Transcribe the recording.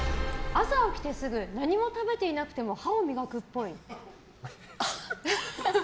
朝起きてすぐ何も食べていなくても歯を磨くっぽい。